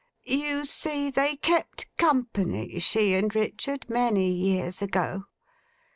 You see they kept company, she and Richard, many years ago.